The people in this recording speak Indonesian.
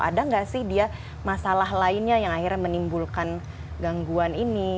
ada nggak sih dia masalah lainnya yang akhirnya menimbulkan gangguan ini